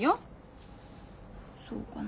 そうかな。